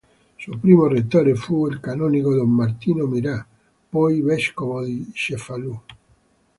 Suo primo rettore fu il canonico don Martino Mira, poi vescovo di Cefalù.